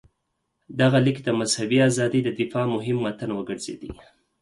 دغه لیک د مذهبي ازادۍ د دفاع مهم متن وګرځېد.